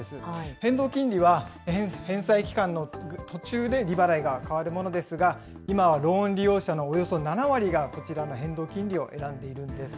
変動金利は返済期間の途中で利払いが変わるものですが、今はローン利用者のおよそ７割がこちらの変動金利を選んでいるんです。